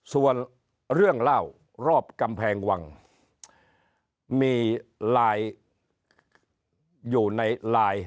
ส่วนเรื่องเล่ารอบกำแพงวังมีไลน์อยู่ในไลน์